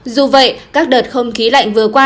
dù vậy các đợt không khí lạnh vừa qua